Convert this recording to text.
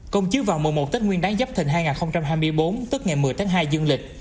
công chiếu vào mùa một tết nguyên đáng giáp thình hai nghìn hai mươi bốn tức ngày một mươi tháng hai dương lịch